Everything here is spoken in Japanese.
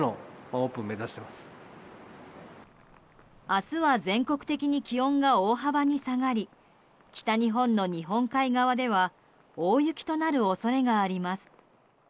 明日は全国的に気温が大幅に下がり北日本の日本海側では大雪となる恐れがあります。